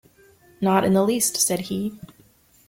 "Not in the least," said he.